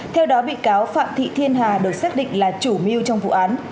theo đó bị cáo phạm thị thiên hà được xác định là chủ mưu trong vụ án